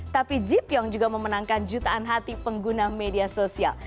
tapi jipyong juga memenangkan jutaan hati pengguna media sosial